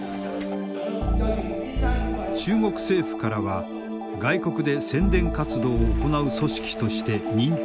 中国政府からは外国で宣伝活動を行う組織として認定を受けた。